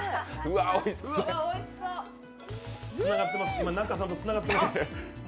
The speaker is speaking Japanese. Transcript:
今、仲さんとつながってます！